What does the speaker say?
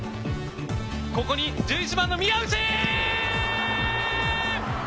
ここに１１番の宮内！